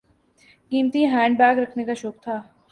قیمتی handbag رکھنے کا شوق تھا۔